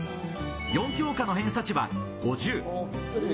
４教科の偏差値は５０。